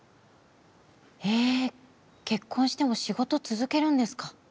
へえ結婚しても仕事続けるんですか。